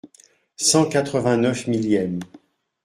Cent quatre-vingt-neuf millième.